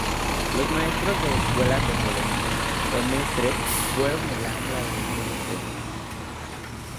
Los maestros de escuela congoleños o mestres fueron el ancla de este sistema.